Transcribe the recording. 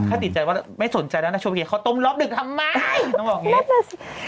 ถ้าติดใจว่าไม่สนใจแล้วนะโชเฟีเขาต้มรอบดึกทำไมต้องบอกอย่างนี้